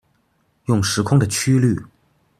用時空的曲率